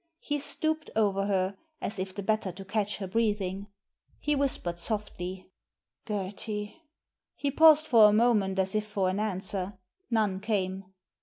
He stooped over her, as if the better to catch her breathing. He whispered softly— "Gerty!" He paused for a moment, as if for an answer. None came.